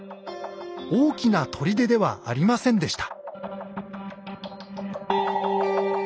大きな砦ではありませんでした。